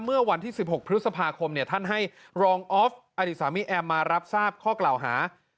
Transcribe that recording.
เมื่อวันที่๑๖พฤษภาคมท่านให้รองออฟอดีตสามีแอมมารับทราบข้อกล่าวหา